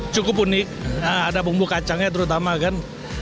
cukup unik ada bumbu kacangnya terutama kan